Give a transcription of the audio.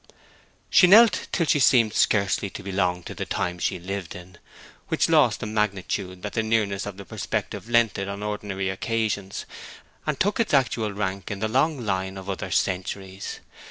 She knelt till she seemed scarcely to belong to the time she lived in, which lost the magnitude that the nearness of its perspective lent it on ordinary occasions, and took its actual rank in the long line of other centuries.